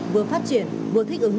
vừa phát triển vừa thích ứng